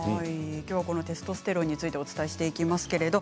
きょうはテストステロンについてお伝えしていきます。